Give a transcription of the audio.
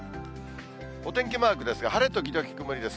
お天気マークですが、晴れ時々曇りです。